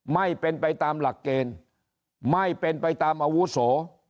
ไม่เป็นไปตามหลักเกณฑ์ไม่เป็นไปตามอาวุโส